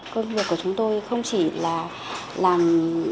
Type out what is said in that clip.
công việc của chúng tôi không chỉ là làm